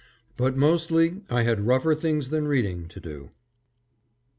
But mostly I had rougher things than reading to do.